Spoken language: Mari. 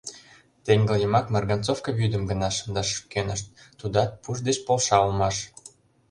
Теҥгыл йымак марганцовка вӱдым гына шындаш кӧнышт — тудат пуш деч полша улмаш.